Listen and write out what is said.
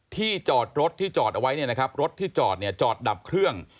ที่จอดรถที่จอดเอาไว้เนี่ยนะครับรถที่จอดเนี่ยจอดดับเครื่อง